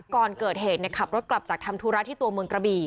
ก่อนเกิดเหตุขับรถกลับจากทำธุระที่ตัวเมืองกระบี่